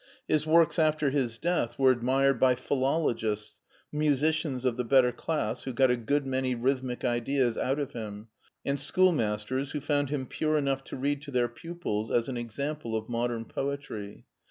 His works after his death were 28 MARTIN SCHULER admired by philologists, musicians of the better class, who got a good many rhythmic ideas out of him, and schoolmasters, who found him pure enough to read to their pupils as an example of modern poetry.